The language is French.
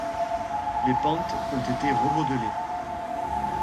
Les pentes ont été remodelées.